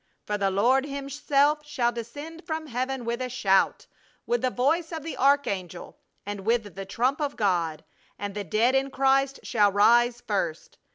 For the Lord Himself shall descend from heaven with a shout, with the voice of the archangel and with the trump of God: and the dead in Christ shall rise first.